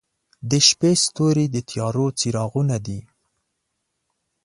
• د شپې ستوري د تیارو څراغونه دي.